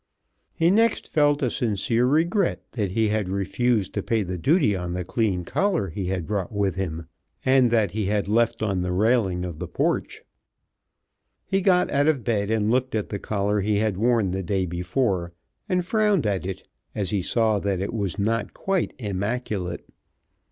He next felt a sincere regret that he had refused to pay the duty on the clean collar he had brought with him, and that he had left on the railing of the porch. He got out of bed and looked at the collar he had worn the day before, and frowned at it as he saw that it was not quite immaculate.